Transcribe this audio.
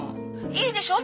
いいでしょ